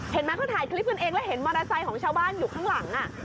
เห็นไหมเขาถ่ายคลิปกันเองแล้วเห็นมอเตอร์ไซค์ของชาวบ้านอยู่ข้างหลัง